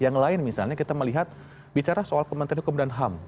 yang lain misalnya kita melihat bicara soal kementerian hukum dan ham